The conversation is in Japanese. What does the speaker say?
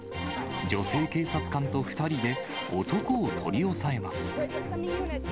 女性警察官と２人で男を取り押さえます。